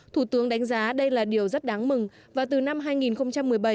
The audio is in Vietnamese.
thủ tướng đánh giá đây là điều rất đáng mừng và từ năm hai nghìn một mươi bảy